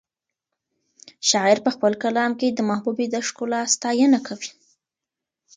شاعر په خپل کلام کې د محبوبې د ښکلا ستاینه کوي.